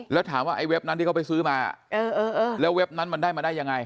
แล้วถามว่าไอ้เว็บนั้นที่เขาไปซื้อมาแล้วเว็บนั้นมันได้มาได้ยังไง